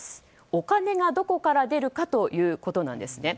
お金がどこから出るかということなんです。